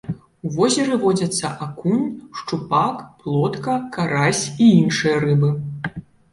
У возеры водзяцца акунь, шчупак, плотка, карась і іншыя рыбы.